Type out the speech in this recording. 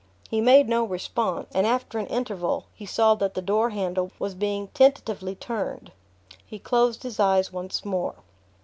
He made no response, and after an interval he saw that the door handle was being tentatively turned. He closed his eyes once more...